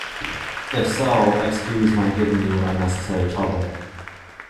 If so, excuse my giving you unnecessary trouble.